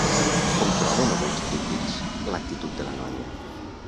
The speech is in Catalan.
Com troben alguns crítics l'actitud de la noia?